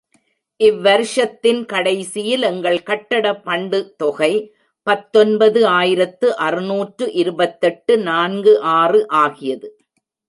இவ்வருஷத்தின் கடைசியில் எங்கள் கட்டட பண்டுத் தொகை பத்தொன்பது ஆயிரத்து அறுநூற்று இருபத்தெட்டு நான்கு ஆறு ஆகியது.